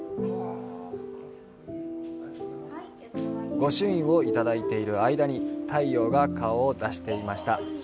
ご朱印をいただいている間に太陽が顔を出していました。